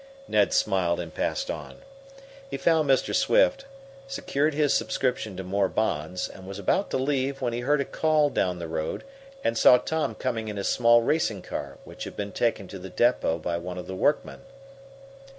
Ned smiled, and passed on. He found Mr. Swift, secured his subscription to more bonds, and was about to leave when he heard a call down the road and saw Tom coming in his small racing car, which had been taken to the depot by one of the workmen.